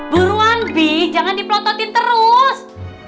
buruan bi jangan dipelototin terus